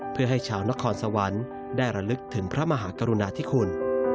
เพื่อให้ชาวนครสวรรค์ได้ระลึกถึงพระมหากรุณาธิคุณ